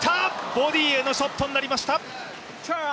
ボディーへのショットになりました。